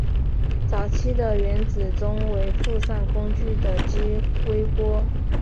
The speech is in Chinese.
早期的原子钟为附上工具的激微波。